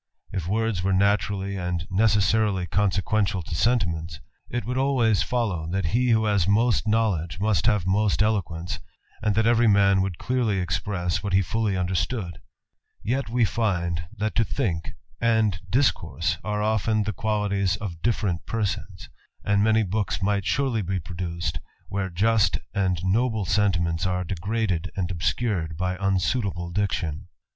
If words were naturally and necessaril consequential to sentiments, it would always follow, that h who has most knowledge must have most eloquence, an that every man would clearly express what he fully unde stood : yet we find, that to think, and discourse, are oft^ the qualities of different persons : and many books mig; surely be produced, where just and noble sentiments s^ degraded and obscured by unsuitable diction.